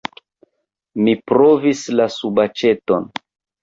Mi provis la subaĉeton.